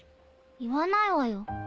言わないわよ